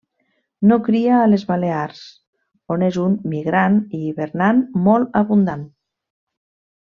No cria a les Balears, on és un migrant i hivernant molt abundant.